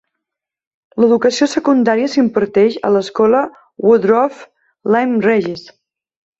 L'educació secundària s'imparteix a l'escola Woodroffe, Lyme Regis.